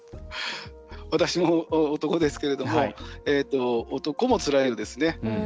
私も男ですけれども男もつらいんですね。